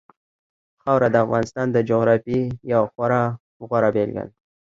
خاوره د افغانستان د جغرافیې یوه خورا غوره بېلګه ده.